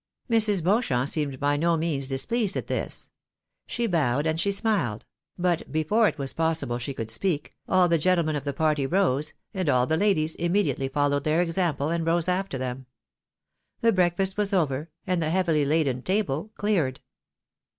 Mrs. Beauchamp seemed by no means displeased at this. She bowed and she smiled ; but before it was possible she could speak, aU the gentlemen of the party rose, and all the ladies immediately followed their example, and rose after them. The breakfast was over, and the heavily laden table cleared.